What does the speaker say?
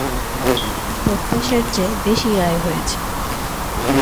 প্রত্যাশার চেয়ে বেশি আয় হয়েছে।